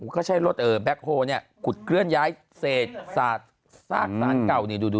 เขาใช้รถแบ็คโฮลขุดเคลื่อนย้ายเศษซากสารเก่านี่ดู